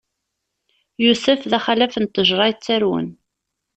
Yusef, d axalaf n ṭṭejṛa yettarwen.